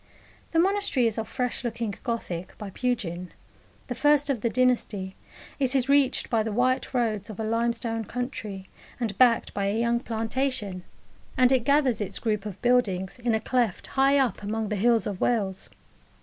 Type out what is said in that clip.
The Monastery is of fresh looking Gothic, by Pugin the first of the dynasty: it is reached by the white roads of a limestone country, and backed by a young plantation, and it gathers its group of buildings in a cleft high up among the hills of Wales.